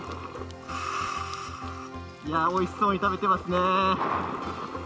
おいしそうに食べてますね。